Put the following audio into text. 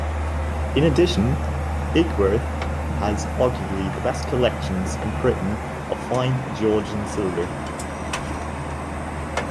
In addition, Ickworth has arguably the best collections in Britain of fine Georgian silver.